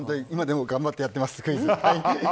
今でも頑張ってやってます。